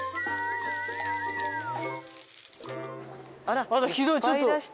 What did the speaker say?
あら広いちょっと。